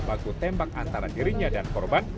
bagutembak antara dirinya dan korban